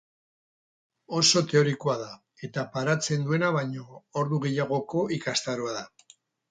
Oso teorikoa da eta paratzen duena baina ordu gehiagoko ikastaroa da.